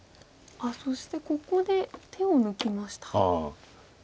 そしてここで手を抜きました。